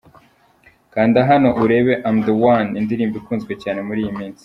Kanda hano urebe “I am The One”, indirimbo ikunzwe cyane muri iyi minsi.